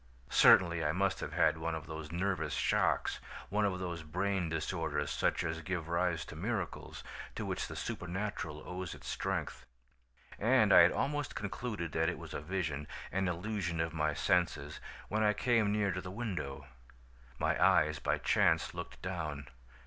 Certainly I must have had one of those nervous shocks, one of those brain disorders such as give rise to miracles, to which the supernatural owes its strength. "And I had almost concluded that it was a vision, an illusion of my senses, when I came near to the window. My eyes by chance looked down.